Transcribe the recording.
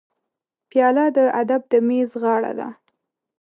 پیاله د ادب د میز غاړه ده.